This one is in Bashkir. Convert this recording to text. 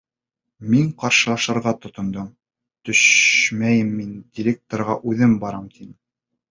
Мин ҡаршылашырға тотондом, төшмәйем, мин директорға үҙем барам, тим.